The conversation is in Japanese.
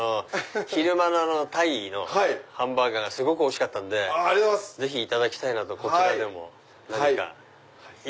昼間のタイのハンバーガーがすごくおいしかったんでぜひいただきたいなとこちらでも何か。